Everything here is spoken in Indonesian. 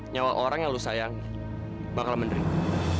nyawa orang yang lu sayang bakal menderita